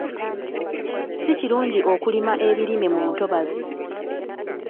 Si kirungi okulima ebirime mu ntobazi.